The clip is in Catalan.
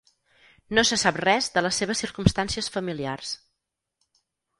No se sap res de les seves circumstàncies familiars.